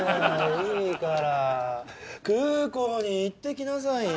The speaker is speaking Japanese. いいから空港に行ってきなさいよ。